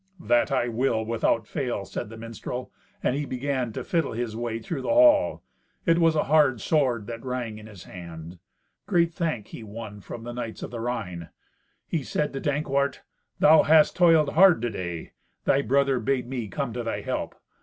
"That will I, without fail," said the minstrel; and he began to fiddle his way through the hall; it was a hard sword that rang in his hand. Great thank he won from the knights of the Rhine. He said to Dankwart, "Thou hast toiled hard to day. Thy brother bade me come to thy help.